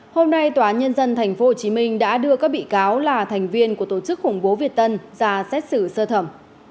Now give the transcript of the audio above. hôm nay tòa nhân dân tp hcm đã đưa các bị cáo là thành viên của tổ chức khủng bố việt tân ra xét xử sơ thẩm